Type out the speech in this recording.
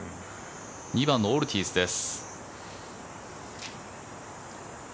２番のオルティーズです。